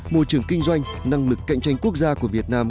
môi trường kinh doanh năng lực cạnh tranh quốc gia của việt nam